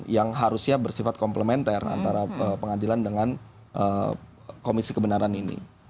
yang harusnya bersifat komplementer antara pengadilan dengan komisi kebenaran ini